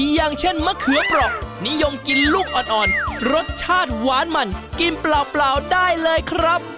อย่างเช่นมะเขือเปราะนิยมกินลูกอ่อนรสชาติหวานมันกินเปล่าได้เลยครับ